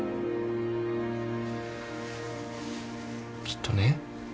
きっとね